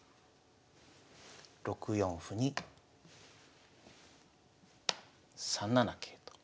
６四歩に３七桂と。